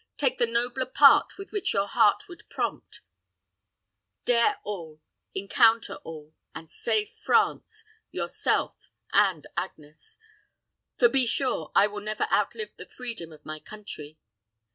Take the nobler part which your own heart would prompt; dare all, encounter all, and save France, yourself, and Agnes; for be sure I will never outlive the freedom of my country.